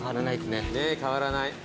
ねぇ変わらない。